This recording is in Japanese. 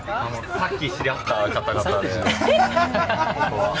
さっき知り合った方々で。